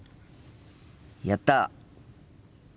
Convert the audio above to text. やった！